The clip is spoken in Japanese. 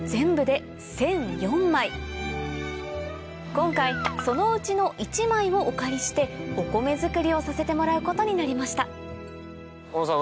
今回そのうちの１枚をお借りしてお米作りをさせてもらうことになりました小本さん